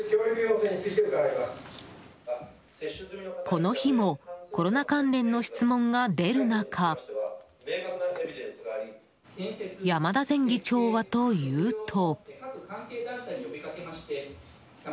この日もコロナ関連の質問が出る中山田前議長はというと。